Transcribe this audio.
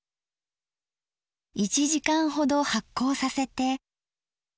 １時間ほど発酵させて。